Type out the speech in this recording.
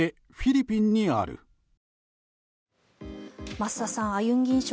増田さんアユンギン礁